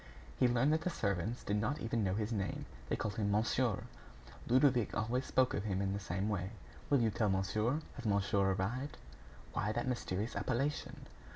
He learned that the servants did not even know his name. They called him "monsieur." Ludovic always spoke of him in the same way: "You will tell monsieur. Has monsieur arrived?" Why that mysterious appellation?